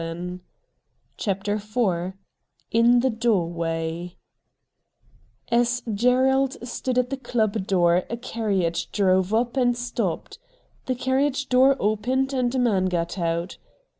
8i CHAPTER lY IX THE DOORWAY As Gerald stood at tlie club door a carriage drove up and stopped. The carriage door opened and a man got out.